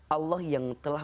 allah yang telah